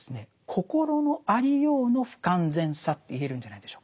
心のありようの不完全さと言えるんじゃないでしょうか。